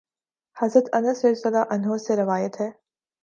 حضرت انس رضی اللہ عنہ سے روایت ہے